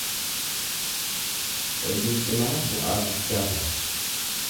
Hojii cimaa bu’aa guddaa fida.